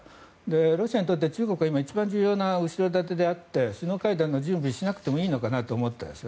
ロシアにとって中国は一番大事な後ろ盾であって首脳会談の準備をしなくていいのかなと思ったんです。